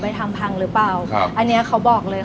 ไปทำพังหรือเปล่าอันนี้เขาบอกเลย